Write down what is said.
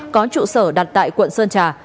có trụ sở đặt tại quận sơn trà